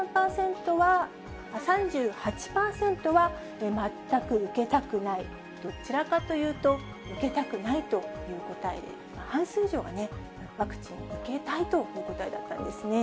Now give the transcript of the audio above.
３８％は全く受けたくない、どちらかというと受けたくないという答えで、半数以上がワクチン受けたいという答えだったんですね。